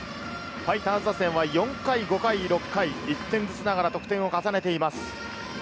ファイターズ打線は４回、５回、６回、１点ずつながら得点を重ねています。